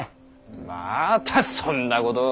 またそんなことを。